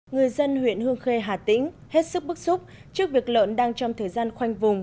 người dân huyện hương khê hà tĩnh hết sức bức xúc trước việc lợn đang trong thời gian khoanh vùng